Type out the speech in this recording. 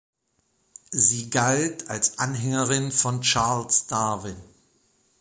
Sie galt als Anhängerin von Charles Darwin.